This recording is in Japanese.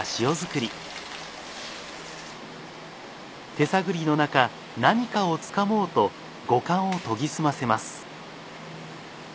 手探りの中何かをつかもうと五感を研ぎ澄ませます。